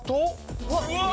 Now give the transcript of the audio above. うわ！